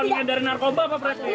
tujuan mengedari narkoba pak preti